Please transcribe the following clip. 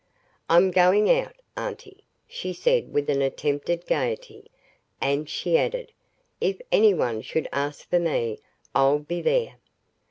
"I'm going out, Auntie," she said with an attempted gaiety. "And," she added, "if anyone should ask for me, I'll be there."